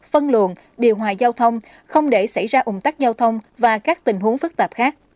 phân luận điều hòa giao thông không để xảy ra ủng tắc giao thông và các tình huống phức tạp khác